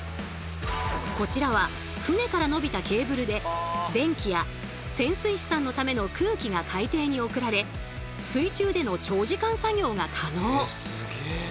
こちらは船から伸びたケーブルで電気や潜水士さんのための空気が海底に送られ水中での長時間作業が可能。